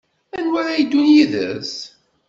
Anwa ara yeddun yid-s?